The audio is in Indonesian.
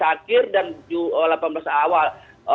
dua belas akhir dan delapan belas awal